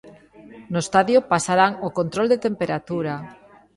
No estadio pasarán o control de temperatura.